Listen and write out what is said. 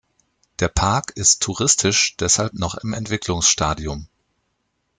Der Park ist touristisch deshalb noch im Entwicklungsstadium.